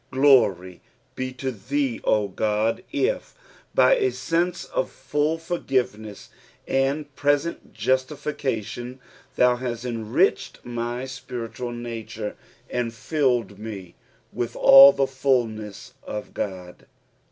Glory be to thee, O God, if, by a sense of fijll for S'venesa and present justification, thou hsst enriched my spiritual nature, and led me with all the fulness of God.